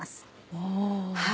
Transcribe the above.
お。